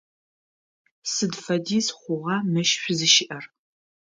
Сыд фэдиз хъугъа мыщ шъузыщыӏэр?